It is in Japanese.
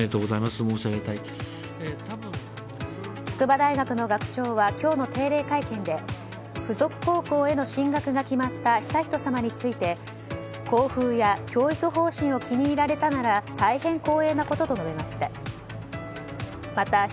筑波大学の学長は今日の定例会見で附属高校への進学が決まった悠仁さまについて校風や教育方針を気に入られたなら大変光栄なことと述べました。